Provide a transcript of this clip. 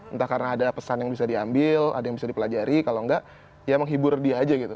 entah karena ada pesan yang bisa diambil ada yang bisa dipelajari kalau enggak ya menghibur dia aja gitu